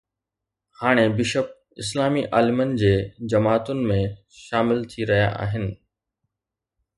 هاڻي بشپ ”اسلامي عالمن“ جي جماعتن ۾ شامل ٿي رهيا آهن.